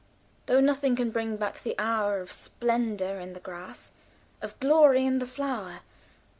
Though nothing can bring back the hour Of splendor in the grass, of glory in the flower.